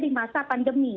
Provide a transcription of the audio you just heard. di masa pandemi